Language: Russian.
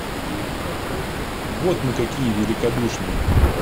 Вот мы какие великодушные!